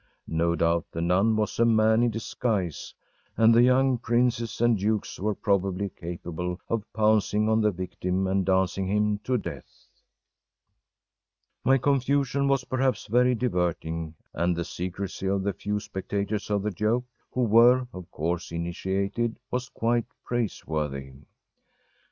No doubt the nun was a man in disguise, and the young princes and dukes were probably capable of pouncing on the victim and dancing him to death. My confusion was perhaps very diverting, and the secrecy of the few spectators of the joke, who were, of course, initiated, was quite praiseworthy.